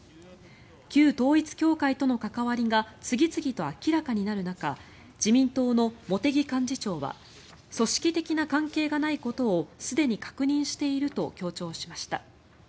旧統一教会との関わりが次々と明らかになるなか自民党の茂木幹事長は「組織的な関係がないことをすでに確認している」と強調しました。